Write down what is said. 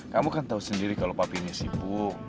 kamu kan tau sendiri kalau papi ini sibuk